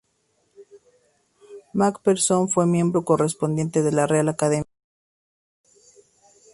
Macpherson fue miembro correspondiente de la Real Academia Española.